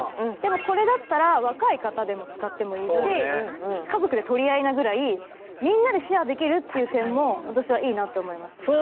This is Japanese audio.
でもこれだったら若い方でも使ってもいいし家族で取り合いなぐらいみんなでシェアできるっていう点も私はいいなって思いました。